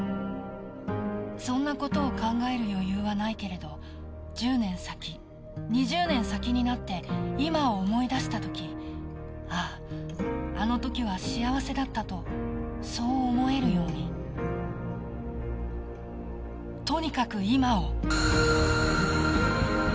そんなことを考える余裕はないけれど１０年先、２０年先になって今、思い出したときああ、あの時は幸せだったとそう思えるようにとにかく今を。